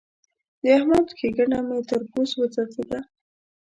د احمد ښېګڼه مې تر پوست وڅڅېده.